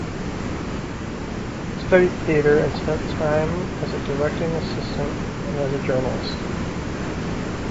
She studied theatre and spent time as a directing assistant and as a journalist.